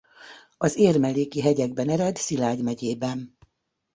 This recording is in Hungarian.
Az Érmelléki-hegyekben ered Szilágy megyében.